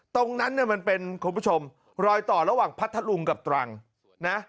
ตรงนั้นเนี่ยมันเป็นคุณผู้ชมรอยต่อระหว่างพัทธลุงกับตรังนะ